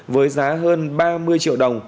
với giá hơn ba mươi triệu đồng